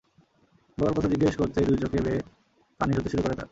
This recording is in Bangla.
বাবার কথা জিজ্ঞেস করতেই দুই চোখে বেয়ে পানি ঝরতে শুরু করে তার।